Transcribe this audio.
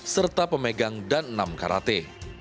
serta pemegang dan enam karate